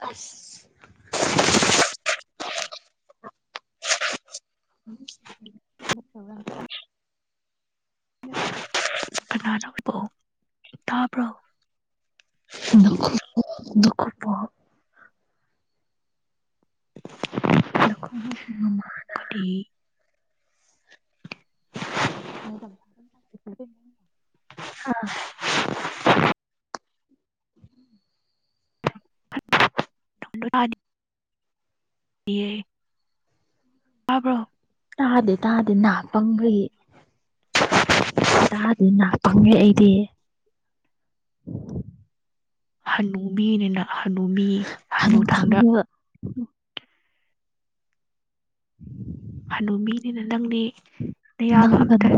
ꯑ ꯎꯝ ꯀꯅꯣ ꯇꯥꯕ꯭ꯔꯣ ꯅꯨ ꯈꯔ ꯄꯍ ꯂꯕꯨ [unintelligible] [unintelligible] ꯍꯥꯕ꯭ꯔꯣ ꯇꯥꯗꯦ ꯇꯥꯗꯦ ꯅꯥ ꯄꯪꯈꯩ ꯇꯥꯗꯤ ꯅꯥ ꯄꯪꯈꯦ ꯑꯩꯗꯤ ꯍꯅꯨꯕꯤꯅꯤꯅ ꯍꯅꯨ ꯃꯤ ꯍꯅꯨ ꯊꯥꯡꯗ ꯎꯝ ꯍꯅꯨꯕꯤꯅꯤꯅ ꯅꯪꯗꯤ ꯅꯌꯥꯒ ꯑꯝꯇ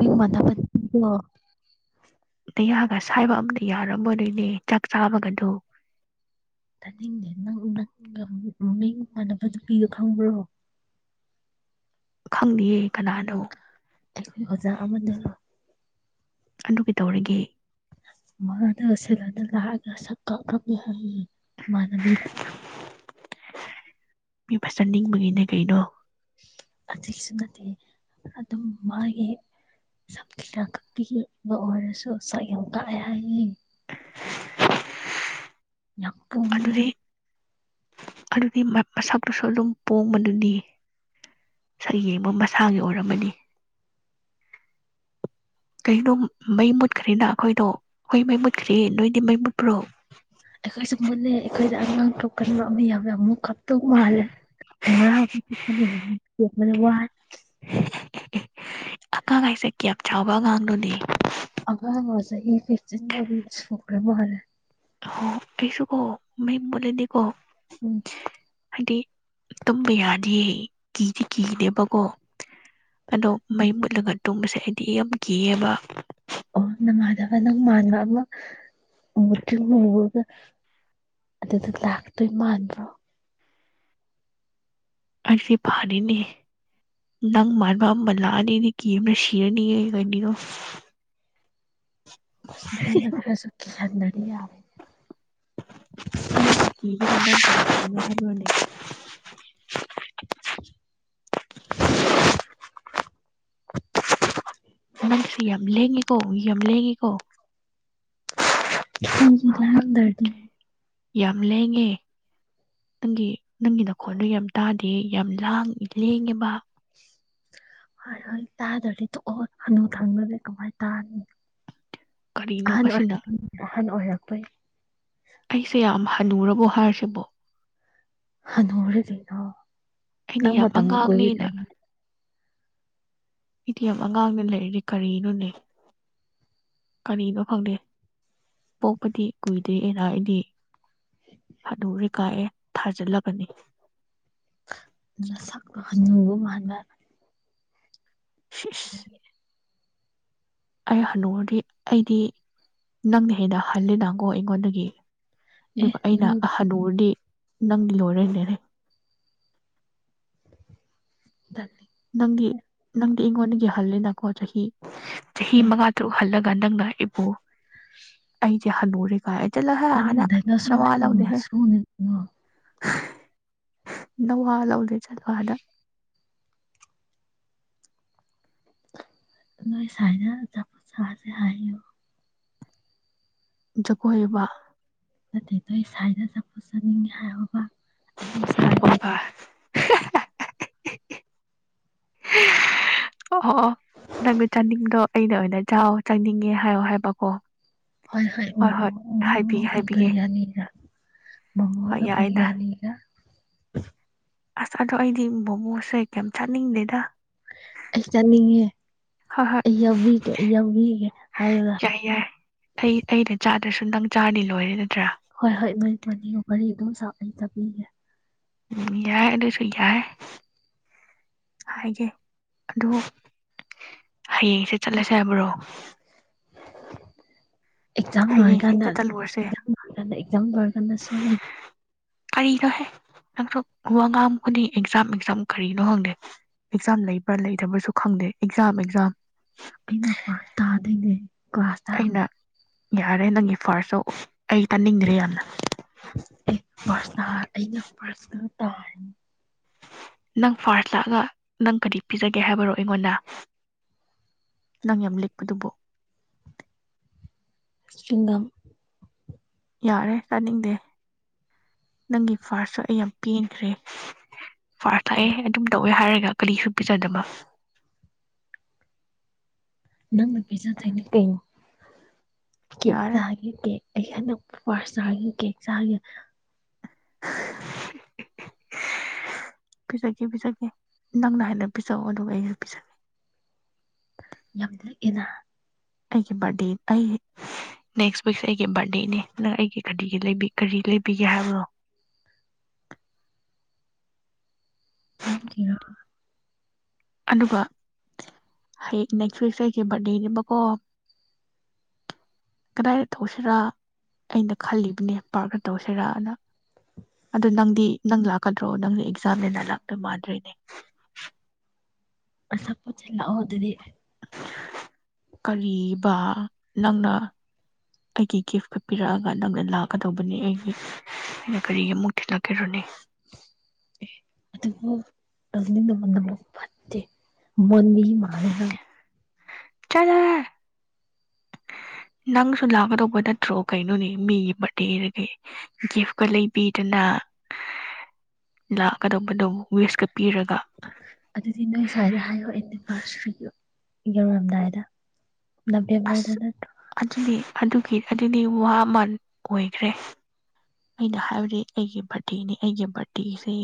[unintelligible] ꯌꯥꯒ ꯁꯥꯏꯕ ꯑꯝꯇ ꯌꯥꯔꯝꯃꯣꯔꯤꯅꯦ ꯆꯥꯛ ꯆꯥꯕꯒꯗꯨ ꯇꯥꯅꯤꯡꯗꯦ ꯅꯪꯅ ꯉꯝ ꯃꯃꯤꯡ ꯃꯥꯟꯅꯕ ꯅꯨꯄꯤꯗꯣ ꯈꯪꯕ꯭ꯔꯣ ꯈꯪꯗꯤꯌꯦ ꯀꯅꯥꯅꯣ ꯑꯩꯈꯣꯏ ꯑꯣꯖꯥ ꯑꯃꯅ ꯑꯗꯨ ꯀꯩꯇꯧꯔꯒꯦ ꯃꯥꯅ ꯁꯂꯅ ꯂꯥꯛꯒ ꯁꯛ ꯀꯥꯛꯐꯝꯃꯦ ꯍꯥꯏꯌꯦ ꯃꯥꯅꯕꯤ ꯃꯤ ꯐꯖ ꯅꯤꯡꯕꯒꯤꯅꯦ ꯀꯩꯅꯣ ꯑꯗꯨꯁꯨ ꯅꯠꯇꯦ ꯑꯗꯨꯝ ꯃꯥꯒꯤ ꯁꯤꯖꯥꯡ ꯀꯛꯄꯤꯕ ꯑꯣꯏꯔꯁꯨ ꯁꯛ ꯌꯥꯝ ꯀꯛꯑꯦ ꯍꯥꯏꯌꯦ ꯌꯥꯝ [unintelligible] ꯑꯗꯨꯗꯤ ꯑꯗꯨꯗꯤ ꯃꯁꯛꯇꯨꯁꯨ ꯑꯗꯨꯝ ꯄꯣꯡꯕꯗꯨꯗꯤ ꯁꯌꯦꯡꯕ ꯃꯁꯥꯒꯤ ꯑꯣꯏꯔꯔꯕꯅꯤ ꯀꯩꯅꯣꯝ ꯃꯩ ꯃꯨꯠ ꯃꯨꯠꯈ꯭ꯔꯦꯅ ꯑꯩꯈꯣꯏꯗꯣ ꯑꯩꯈꯣꯏ ꯃꯩ ꯃꯨꯠꯈ꯭ꯔꯔꯦ ꯅꯣꯏꯗꯤ ꯃꯩ ꯃꯨꯠꯄ꯭ꯔꯣ ꯑꯩꯈꯣꯏꯁꯨ ꯃꯨꯠꯂꯦ ꯑꯩꯈꯣꯏꯗ ꯑꯉꯥꯡ ꯊꯣꯛꯀꯟꯕ ꯑꯃ ꯌꯥꯎꯋꯦ ꯑꯃꯨꯛ ꯇꯨ ꯃꯥꯂꯦ [unintelligible] ꯋꯥ [unintelligible] ꯑꯉꯥꯡ ꯍꯥꯏꯁꯦ ꯀꯌꯥꯝ ꯆꯥꯎꯕ ꯑꯉꯥꯡꯅꯣꯅꯦ ꯑꯉꯥꯡꯂꯣ ꯆꯍꯤ ꯐꯤꯞꯇꯤꯟ ꯄꯥꯎꯗꯤ ꯁꯨꯈꯔ ꯃꯥꯂꯦ ꯑꯩꯁꯨ ꯀꯣ ꯃꯩ ꯃꯨꯠꯂꯗꯤꯀꯣ ꯎꯝ ꯍꯥꯏꯗꯤ ꯇꯨꯝ ꯌꯥꯗꯌꯦ ꯀꯤꯗꯤ ꯀꯤꯗꯦꯕꯀꯣ ꯑꯗꯣ ꯃꯩ ꯃꯨꯠꯂꯒ ꯇꯨꯝꯕꯁꯦ ꯑꯩꯗꯤ ꯌꯥꯝ ꯀꯤꯌꯦꯕ ꯑꯣ ꯅꯃꯥꯟꯅꯕ ꯅꯪ ꯃꯥꯟꯕ ꯑꯃ ꯃꯨꯠꯇꯤ ꯃꯨꯕ ꯑꯃ ꯑꯗꯨꯗꯣ ꯂꯥꯛꯇꯣꯏ ꯃꯥꯟꯕ꯭ꯔꯣ ꯑꯗꯤ ꯐꯥꯔꯤꯅꯤ ꯅꯪ ꯃꯥꯔꯕ ꯑꯃ ꯂꯥꯛꯅꯤ ꯑꯩꯗꯤ ꯀꯤꯕꯅ ꯁꯤꯔꯅꯤ ꯀꯔꯤꯅꯣ ꯃꯣꯟꯗ ꯈꯔꯁꯨ ꯀꯤꯍꯟꯗꯔꯗꯤ ꯌꯥ ꯑꯩꯅ ꯀꯤꯈꯤꯕꯒ ꯅꯪ ꯀꯔꯤ ꯈꯪꯒꯦ ꯍꯥꯏꯕ꯭ꯔꯅꯦ [unintelligible] [inaudible] ꯅꯪꯁꯨ ꯌꯥꯝ ꯂꯦꯡꯉꯤ ꯀꯣ ꯌꯥꯝ ꯂꯦꯡꯉꯤ ꯀꯣ ꯂꯦꯡꯗꯔꯗꯤ ꯌꯥꯝ ꯂꯦꯡꯉꯦ ꯅꯪꯒꯤ ꯅꯪꯒꯤ ꯅꯈꯣꯟꯗꯣ ꯌꯥꯝ ꯇꯥꯗꯦ ꯌꯥꯝ ꯂꯥꯡ ꯂꯦꯡꯉꯦꯕ ꯍꯣꯏ ꯍꯣꯏ ꯇꯥꯗꯔꯗꯤ ꯇꯣꯛ ꯑꯣ ꯍꯅꯨ ꯊꯪ ꯀꯃꯥꯏ ꯇꯥꯅꯤ ꯑꯍꯟ ꯑꯣꯏ ꯑꯍꯟ ꯑꯣꯏꯔꯛ ꯄꯣꯏ ꯑꯩꯁꯦ ꯌꯥꯝ ꯍꯅꯔꯕꯣ ꯍꯥꯏꯁꯤꯕꯣ ꯍꯅꯔꯦ ꯀꯩꯅꯣ ꯅꯪ ꯃꯇꯝ ꯑꯃ ꯀꯣꯏ ꯇ ꯑꯩꯗꯤ ꯌꯥꯝ ꯑꯉꯥꯡꯅ ꯂꯩꯔꯤ ꯀꯔꯤꯅꯣꯅꯦ ꯀꯔꯤꯅꯣ ꯐꯪꯗꯦ ꯄꯣꯛꯄꯗꯤ ꯀꯨꯏꯗꯦ ꯑꯅ ꯑꯩꯗꯤ ꯍꯥꯅꯨꯔꯦ ꯀꯥꯏꯑꯦ ꯊꯥꯖꯤꯜꯂꯛꯀꯅꯤ ꯅꯁꯛꯅ ꯍꯅꯨꯕ ꯃꯥꯟꯕ [inaudible] ꯑꯩ ꯍꯅꯨꯔꯗꯤ ꯑꯩꯗꯤ ꯅꯪꯅ ꯍꯦꯟꯅ ꯍꯜꯂꯤꯗ ꯀꯣ ꯑꯩꯉꯣꯟꯗꯒꯤ ꯑꯗꯨꯒ ꯑꯩꯅꯍꯅꯨꯔꯗꯤ ꯅꯪꯗꯤ ꯂꯣꯏꯔꯅꯦꯔꯦ ꯅꯪꯗꯤ ꯅꯪꯗꯤ ꯑꯩꯉꯣꯟꯗꯒꯤ ꯍꯜꯂꯤꯅꯀꯣ ꯆꯍꯤ ꯆꯍꯤ ꯃꯉꯥ ꯇꯔꯨꯛ ꯍꯜꯂ ꯒꯟꯗꯪꯒ ꯏꯄꯨ ꯑꯩꯗꯤ ꯍꯅꯨꯔꯦ ꯒꯣꯏ ꯆꯠꯂꯍꯦ ꯑꯥꯗ ꯅꯋꯥ ꯂꯧꯗꯦ ꯍꯦ ꯅꯧꯋꯥ ꯂꯧꯗꯦ ꯆꯠꯂꯣ ꯑꯥꯗ ꯅꯣꯏ ꯁꯥꯏꯅ ꯑꯆꯥꯄꯣꯠ ꯆꯥꯖꯦ ꯍꯥꯏ ꯑꯣ ꯖꯒꯣꯏꯕ ꯅꯠꯇꯦ ꯅꯣꯏ ꯁꯥꯏꯗ ꯑꯆꯥꯄꯣꯠ ꯆꯥꯅꯤꯡꯉꯦ ꯍꯥꯏꯌꯣꯕ ꯑꯩꯁꯨ ꯆꯥꯒꯦ ꯑꯣ ꯅꯪꯗ ꯆꯥꯅꯤꯡꯗꯣ ꯑꯩꯅ ꯑꯣꯏꯅ ꯆꯥꯎ ꯆꯥꯅꯤꯡꯉꯦ ꯍꯥꯏꯌꯣ ꯍꯥꯏꯕꯀꯣ ꯍꯣꯏ ꯍꯣꯏ ꯃꯣꯃꯣꯒ ꯕꯤꯔꯌꯥꯅꯤꯒ ꯃꯃꯣꯒ ꯕꯤꯔꯌꯥꯅꯤꯒ ꯎ [unintelligible] ꯑꯁ ꯑꯗꯣ ꯑꯩꯗꯤ ꯃꯣꯃꯣꯁꯦ ꯌꯥꯝ ꯆꯥꯅꯤꯡꯗꯦꯗ ꯑꯩ ꯆꯥꯅꯤꯡꯉꯦ ꯑꯩ ꯌꯥꯎꯕꯤꯒꯦ ꯑꯩ ꯌꯥꯎꯕꯤꯒꯦ ꯍꯥꯏꯕꯒ ꯑꯗꯨꯁꯨ ꯅꯪ ꯆꯥꯔꯗꯤ ꯂꯣꯏꯔꯦ ꯅꯠꯇ꯭ꯔꯥ ꯍꯣꯏ ꯍꯣꯏ ꯅꯣꯏ ꯃꯔꯤꯃꯛ ꯋꯥꯔꯤ ꯑꯗꯨꯝ ꯁꯥꯎ ꯑꯩ ꯆꯥꯥꯕꯤꯒꯦ ꯎꯝ ꯌꯥꯏ ꯑꯗꯨꯁꯨ ꯌꯥꯏ ꯍꯥꯏꯒꯦ ꯑꯗꯨ ꯍꯌꯦꯡꯁꯦ ꯆꯠꯂꯁꯦ ꯌꯥꯕ꯭ꯔꯣ ꯑꯦꯛꯖꯥꯝ ꯂꯣꯏꯔꯥꯀꯥꯟꯗ ꯑꯦꯛꯖꯥꯝ ꯂꯣꯏꯔꯥꯀꯥꯟꯗ ꯑꯦꯛꯖꯥꯝ ꯂꯣꯏꯔꯥꯀꯥꯟꯗ ꯁꯣꯏꯒꯅꯤ ꯅꯪꯁꯨ ꯋꯥ ꯉꯥꯡꯕ ꯈꯨꯗꯤꯡ ꯑꯦꯛꯖꯥꯝ ꯑꯦꯛꯖꯥꯝ ꯀꯔꯤꯅꯣ ꯈꯪꯗꯦ ꯑꯦꯛꯖꯥꯝ ꯂꯩꯕ꯭ꯔꯥ ꯂꯩ ꯂꯩꯕꯁꯨ ꯈꯪꯗꯦ ꯑꯦꯛꯖꯥꯝ ꯑꯦꯛꯖꯥꯝ ꯑꯩꯅ ꯐꯥꯔꯁ ꯇꯥꯗꯣꯏꯅꯦ ꯀ꯭ꯂꯥꯁꯇ ꯌꯥꯔꯦ ꯅꯪꯒꯤ ꯐꯥꯔꯁꯇꯣ ꯐꯥꯔꯁꯇ ꯑꯩꯅ ꯐꯥꯔꯁꯇ ꯇꯥꯔꯦ ꯅꯪ ꯐꯥꯔꯁ ꯂꯥꯛꯑꯒ ꯅꯪ ꯀꯔꯤ ꯄꯤꯖꯒꯦ ꯀꯦ ꯍꯥꯏꯕꯔꯣ ꯑꯩꯉꯣꯟꯗ ꯅꯪ ꯌꯥꯝ ꯂꯤꯛꯄꯗꯨꯕꯨ ꯆꯋꯤꯡꯒꯝ ꯌꯥꯔꯦ ꯇꯥꯅꯤꯡꯗꯦ ꯅꯪꯒꯤ ꯐꯥꯔꯁꯇꯣ ꯑꯩ ꯌꯥꯝ ꯄꯦꯟꯈ꯭ꯔꯦ ꯐꯥꯔꯁ ꯂꯥꯛꯑꯦ ꯑꯗꯨꯝ ꯇꯧꯋꯦ ꯍꯥꯏꯔꯒꯦ ꯅ ꯀꯔꯤꯁꯨ ꯄꯤꯖꯗꯕ ꯅꯪꯅ ꯄꯤꯖꯥꯗꯨꯏꯅꯤ ꯀꯩꯅꯣ ꯀꯦꯛ ꯆꯥꯒꯦ ꯀꯦꯛ ꯑꯩ ꯍꯟꯗꯛ ꯐꯥꯔꯁ ꯇꯥꯔꯗꯤ ꯀꯦꯛ ꯆꯥꯒꯦ ꯄꯤꯖꯒꯦ-ꯄꯤꯖꯒꯦ ꯅꯪꯅ ꯍꯦꯟꯅ ꯄ ꯆꯥꯎꯑꯣ ꯑꯗꯨꯒ ꯑꯩꯁꯨ ꯄ ꯌꯥꯝ ꯂꯤꯛꯏꯅ ꯑꯩꯒꯤ ꯕꯥꯔꯠꯗꯦ ꯑꯩ [unintelligible] ꯅꯦꯛꯁ ꯋꯤꯛꯁꯦ ꯑꯩꯒꯤ ꯕꯥꯔꯗꯦꯅꯦ ꯅꯪ ꯑꯩꯒꯤ ꯀꯔꯤꯒꯤ ꯀꯔꯤ ꯂꯩꯕꯤꯒꯦ ꯍꯥꯏꯕꯅꯣ ꯅꯪ ꯊꯤꯔꫭ ꯑꯗꯨꯒ [unintelligible] ꯍ ꯌꯦꯛ ꯅꯩꯊ꯭ꯔꯨꯁꯦ ꯍꯥꯏꯒꯤꯝ ꯕꯔꯠꯗꯦꯒꯤꯕꯀꯣ ꯀꯗꯥꯏꯗ ꯇꯧꯁꯤꯔꯥ ꯑꯩꯅ ꯈꯜꯂꯤꯕꯅꯦ ꯄꯥ [unintelligible] ꯇꯧꯁꯤꯔꯥꯑꯅ ꯑꯗꫭ ꯅꯪꯗꯤ ꯅꯪ ꯂꯥꯛ ꯑꯗ꯭ꯔꯣ ꯅꯪꯅ ꯑꯦꯛꯖꯥꯝ ꯅꯤꯅ ꯂꯥꯛꯇꯣꯏ ꯃꯥꯟꯗ꯭ꯔꯦꯅꯦ ꯑꯆꯥꯄꫭꯠ ꯊꯤꯜꯂꯛꯑꫭ ꯑꯗꯨꯗꯤ ꯀꯔꯤꯕꯥ ꯅꯪꯅ ꯑꯩꯒꯤ ꯒꯤꯐꯀ ꯄꯤꯔꯛꯑꯒ ꯅꯪꯅ ꯂꯥꯛꯀꯗꯧꯕꯅꯦ ꯑꯩꯒꯤ ꯑꯩꯅ ꯀꯔꯤꯒꯤ ꯑꯃꯨꯛ ꯊꯤꯜꯂꯛꯀꯦꯔꫭꯅꯦ ꯑꯗꯨꯝꯅꯕꯨ ꯅꯕꯨꯛ ꯐꯠꯇꯦ ꯃꯟꯅꯤ ꯃꯥꯅꯦꯅꯪ ꯆꯂꯣꯍꯦ ꯅꯪꯁꯨ ꯂꯥꯛꯀꯗꯧꯕ ꯅꯠꯇ꯭ꯔꯣ ꯀꯩꯅꯣꯅꯦ ꯃꯤꯒꯤ ꯕꯥꯔꯗꯦꯗꯒꯤ ꯒꯤꯐꯀ ꯂꯩꯕꯤꯗꯅ ꯂꯥꯛꯀꯗꯧꯕꯗꯨꯕꯨ ꯋꯤꯁꯀ ꯄꯤꯔꯒ ꯑꯗꯨꯗꯤ ꯅꯣꯏ ꯁꯥꯏꯗ ꯍꯥꯏꯌꯣ ꯑꯩꯗꯤ [unintelligible] ꯌꯧꯔꯝꯗꯥꯏꯗ ꯅꯕꯦꯝꯕꯔꯗ ꯅꯠꯇ꯭ꯔꫭ ꯑꯗꯨꯒꯤ ꯑꯗꯨꯗꯤ ꯋꯥꯃꯟ ꯑꯣꯏꯈ꯭ꯔꯦ ꯑꯩꯅ ꯍꯥꯏꯕꯗꯤ ꯑꯩꯒꯤ ꯕꯥꯔꯗꯤꯦꯅꯤ ꯑꯩꯒꯤ ꯕꯥꯔꯗꯤꯦꯁꯦ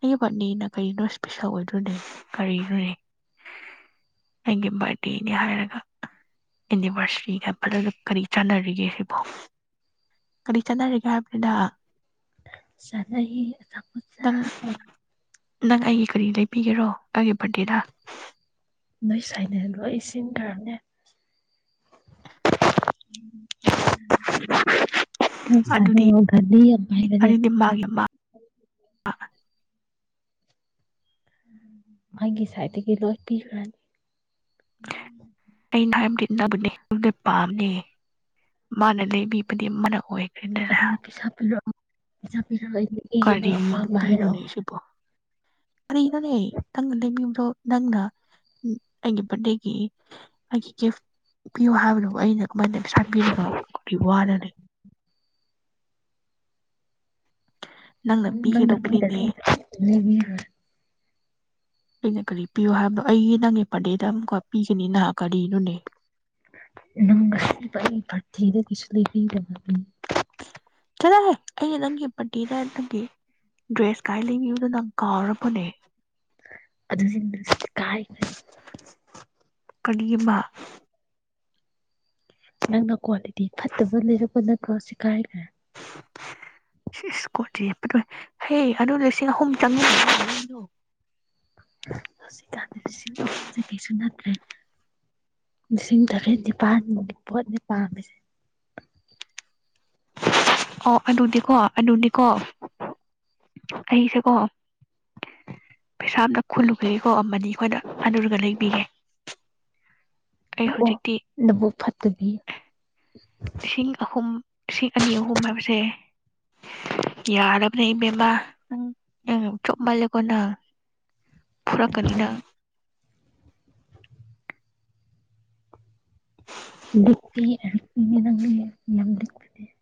ꯑꯩꯒꯤ ꯕꯥꯔꯠꯗꯦꯅ ꯀꯔꯤ ꯋꯤꯁ ꯄꯤꯁꯜꯂꯛ ꯑꯣꯏꯗ꯭ꯔꯅꯦ ꯀꯔꯤꯅꫭꯅꯦ ꯑꯩꯒꯤ ꯕꯥꯔꯠꯗꯦꯅꯤ ꯍꯥꯏꯔꯒ ꯑꯦꯅꯤꯚꯔꯁꯔꯤꯒ ꯄꯜꯂꯒ ꯀꯔꯤ ꯆꯥꯟꯅꯔꯤꯒꯦ ꯁꯤꯕꯣ ꯀꯔꯤ ꯆꯥꯟꯅꯔꯤꯒꯦ ꯍꯥꯏꯕꯅꯤꯗꯥ ꯅꯪ [unintelligible] ꯅꯪ ꯑꯩꯒꯤ ꯀꯔꯤ ꯂꯩꯕꯤꯒꯦꯔꯣ ꯑꯩꯒꯤ ꯕꯥꯔꯗꯦꯗ ꯅꯣꯏ ꯁꯥꯏ ꯂꯩꯍꯟꯒ꯭ꯔꫭ ꯑꯩ ꯁꯤꯟꯒ꯭ꯔꯝꯅꯦ [unintelligible] [inaudible] [unintelligible] [inaudible] ꯌꯥꯝ ꯍꯩꯕꯅꯦ ꯑ ꯃꯥꯒꯤ ꯁꯥꯏꯠꯇꯒꯤ ꯂꯣꯏ ꯄꯤꯈ꯭ꯔꯅꯤ [unintelligible] ꯑꯩ ꯍꯥꯏꯕꯗꯤ ꯅꯕꯨꯅꯦ [unintelligible] ꯄꯥꯝꯅꯤ ꯃꯥꯅ ꯂꯩꯕꯤꯕꯗꯤ ꯃꯅ ꯑꯣꯏ ꯑꯗꯨꯗꯤ ꯄꯩꯁꯥ ꯄꯤꯔꯥꯑꫭ ꯄꯩꯁꯥ ꯄꯤꯔꯛꯑꫭ ꯀꯔꯤ ꯅꯨꯄꯤꯅꫭꯅꯦ ꯁꯤꯕꯣ ꯀꯔꯤꯅꫭꯅꯦ [unintelligible] ꯑꯣ ꯅꯪꯅ ꯎꯝ ꯑꯩꯒꯤ ꯕꯥꯔꯠꯗꯦꯒꯤ ꯑꯩꯒꯤ ꯒꯤꯐ ꯄꯤꯌꯣ ꯍꯥꯏꯕꯗꯨꯕꯨ ꯑꯩꯅ ꯀꯃꯥꯏꯅ ꯄꯩꯁꯥ ꯄꯤꯔꯒ ꯒꯤ ꯋꯥ ꯔ ꯅꯦ ꯅꯧ ꯅꯪꯅ ꯄꯤꯗꯈꯩ ꯂꯩꯕꯤꯔꫭꯏ ꯑꯩꯅ ꯀꯔꯤ ꯄꯤꯌꯣ ꯍꯥꯏꯕꯅꫭ ꯑꯩꯒꯤ ꯅꯪꯒꯤ ꯕꯥꯔꯗꯦꯗ ꯑꯃꯨꯛ ꯀꯥ ꯄꯤꯒꯅꯤꯅ ꯀꯔꯤꯅꯣꯅꯦ ꯏꯗ ꯄ ꯂꯩ ꯂꯅꯤ ꯆꯠꯂꯍꯦ ꯑꯩꯩꯅ ꯅꯪꯒꯤ ꯄꯟꯇꯤꯗ ꯅꯪꯒꯤ ꯗ꯭ꯔꯦꯁ ꯀꯥꯏ ꯂꯩꯕꯤꯕꯗꯣ ꯅꯪ ꯀꯥꯎꯔꯕꯅꯦ ꯑꯗꯨꯁꯤꯡ ꯀꯥꯏ ꯀꯔꯤꯕ ꯅꯪꯅ ꯀ꯭ꯋꯥꯂꯤꯇꯤ ꯐꯠꯇꯕ ꯂꯩꯔꯛꯄ ꯅꯠꯇ꯭ꯔꯣ ꯁꯤ ꯀꯥꯏꯈ꯭ꯔꯦ ꯣ ꯍꯌꯦ ꯑꯗꯨ ꯂꯤꯁꯤꯡ ꯑꯍꯨꯝ ꯆꯪꯉ ꯍꯧꯖꯤꯀꯥꯟꯁꯤꯡ ꯑꯍꯨꯝꯁꯦ ꯀꯩꯁꯨ ꯅꯠꯇ꯭ꯔꯦ ꯂꯤꯁꯤꯡ ꯇꯔꯦꯠ ꯅꯤꯄꯥꯥꯟꯃ ꯄꯣꯠꯅꯦ ꯄꯥꯝꯃꯤꯁꯦ ꯑꯣ ꯑꯗꯨꯗꯤꯀꯣ ꯑꯗꯨꯗꯤꯀꯣ ꯑꯩꯁꯦꯀꯣ ꯄꯩꯁꯥ ꯑꯝꯇ ꯈꯨꯜꯂꯨ ꯂꯩꯦꯀꯣ ꯑꯃꯅꯤ ꯑꯩꯈꯣꯏꯅ ꯍꯅꯔꯒ ꯂꯩꯕꯤꯒꯦ ꯂꯕꯛ ꯐꯠꯇꯕꯤ ꯎ ꯂꯤꯁꯤꯡ ꯑꯍꯨꯝ ꯂꯤꯁꯤꯡ ꯑꯅꯤ ꯑꯍꯨꯝ ꯍꯥꯏꯕꯁꯦ ꯌꯥꯔꯕꯅꯦ ꯏꯕꯦꯝꯕꯥ ꯅꯪ ꯎꯝ ꯆꯞ ꯃꯥꯂꯦꯀꯣꯅ ꯐꯔꯛꯀꯅꯤꯅ ꯎꯄꯤꯄꯤ ꯅ ꯌꯥꯝꯄꯤꯅꯦ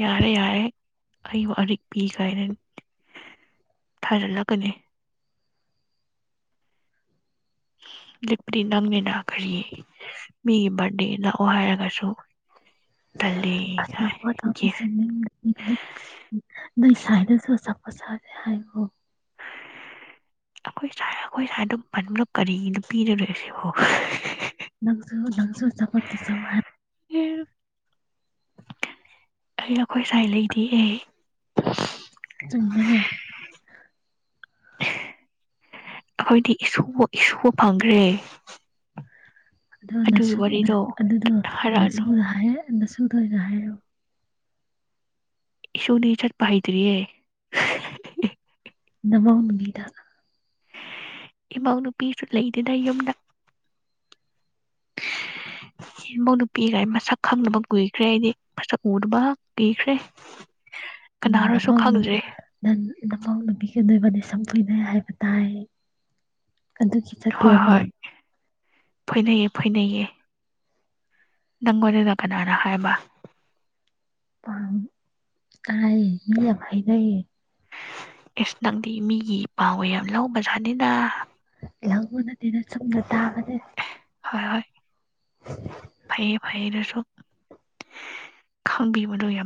ꯌꯥꯔꯦ ꯌꯥꯔꯦ ꯑꯩꯕꯨ ꯑꯛ ꯄꯤꯈꯥꯏꯅ ꯊꯥꯖꯤꯜꯂꯛꯀꯅꯤ ꯂꯤꯛꯄꯗꯤ ꯅꯪꯅꯦ ꯥꯛꯈ꯭ꯔꯤꯌꯦ ꯃꯤꯒꯤ ꯕꯥꯔꯗꯦ ꯂꯥꯛꯑꯣ ꯍꯥꯏꯔꯒꯁꯨ ꯑ ꯆꯗ ꯄꯁ ꯅꯣꯏ ꯆꯥꯏꯗꯁꯨ ꯆ ꯄꯁꯥꯁꯦ ꯍꯥꯏꯌꯌꯨ ꯑꯩꯈꯣꯏ ꯁ ꯑꯩꯈꯣꯏ ꯁ꯭ꯋꯥꯏꯗ ꯄꯟꯅ ꯀꯔꯤꯒꯤꯅꯣ ꯄꯤꯗꯅꯣ ꯁꯤꯕꯣ ꯅꯪꯁꯨ ꯅꯪꯁꯨ ꯆꯄꯁ ꯍꯥꯏ ꯑ ꯑꯩꯈꯣꯏ ꯁꯥꯏ ꯂꯩꯗꯤ ꯑꯦ ꯆꯃꯦꯅꯦ ꯑꯩꯈꯣꯏꯗꯤ ꯏꯁꯨꯕ ꯏꯁꯨꯕ ꯐꯪꯈ꯭ꯔꯦ ꯑꯗꯨꯗ ꯅꯁꯨ ꯑꯗꯨꯗꯨ ꯅꯁꯨ ꯍꯥꯏ ꯅ ꯁꯗꯣꯏꯅ ꯍꯥꯏꯔꯛꯑꯣ ꯏ ꯁꯣꯅꯤꯆꯠ ꯄꯍꯤꯇꯔꯤ ꯑꯦ ꯅꯃ ꯃꯅꯤꯗ ꯏꯃꯧ ꯅꯨꯨꯄꯤꯁꯨ ꯂꯩꯗꯨꯅ ꯌꯨꯝꯗ ꯏꯕꯨꯧ ꯅꯨꯄꯤꯒꯥꯏ ꯃꯁꯛ ꯈꯪꯅꯕ ꯀꯨꯏꯈ꯭ꯔꯦ ꯑꯩꯗꯤ ꯃꯁꯛ ꯎꯕ ꯀꯨꯏꯈ꯭ꯔꯦ ꯎꯝ ꯅꯃ ꯅꯃꯤꯕꯤ ꯅ ꯅꯃ ꯅꯃꯤꯕꯤ ꯀꯗꯣꯏꯕꯗꯤ ꯁꯝ ꯀꯨꯏꯅꯩ ꯍꯥꯏꯕ ꯇꯥꯏ ꯑꯗꯨꯒꯤ ꯆꯠꯈꯤꯕ ꯃꯥꯂ ꯐꯣꯏꯅꯩꯌꯦ ꯐꯣꯏꯅꯩꯌꯦ ꯪꯅꯪꯒꯣꯟꯗꯅ ꯀꯅꯥꯔ ꯍꯥꯏꯕ ꯑꯝ ꯇꯥꯏꯌꯦ ꯃꯤ ꯌꯥꯝ ꯍꯥꯏꯅꯩꯌ ꯏꯁ ꯅꯪꯗꯤ ꯃꯤꯒꯤ ꯄꯥꯎꯒ ꯌꯥꯝ ꯂꯧꯕ ꯖꯥꯠꯅꯤꯅ ꯂꯧꯕ ꯅꯠꯇꯦ ꯗ ꯆꯨꯝꯅ ꯇꯥꯕꯅꯦ ꯍꯣꯏ ꯐꯩꯌꯦ ꯐꯩꯌꯦ ꯔ ꯈꯪꯕꯤꯕꯗꯣ ꯌꯥꯝ